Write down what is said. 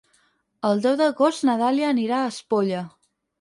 El deu d'agost na Dàlia anirà a Espolla.